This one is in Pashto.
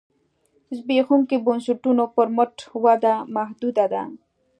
زبېښونکو بنسټونو پر مټ وده محدوده ده.